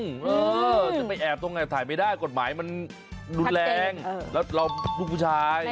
เออจะไปแอบตรงไหนถ่ายไม่ได้กฎหมายมันรุนแรงแล้วเราลูกผู้ชาย